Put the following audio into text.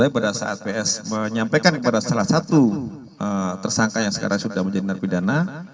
pada saat ps menyampaikan kepada salah satu tersangka yang sekarang sudah menjadi narapidana